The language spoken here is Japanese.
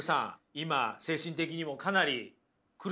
今精神的にもかなり苦しまれてますよね？